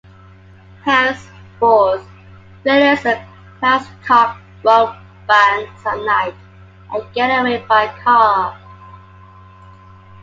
Henceforth, Willis and Glasscock rob banks at night and get away by car.